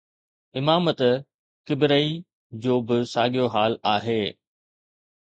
امامت ڪبريءَ جو به ساڳيو حال آهي.